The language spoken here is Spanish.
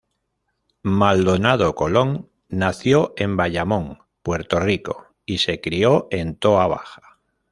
Maldonado Colón nació en Bayamón, Puerto Rico y se crio en Toa Baja.